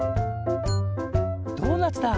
「ドーナツだ！」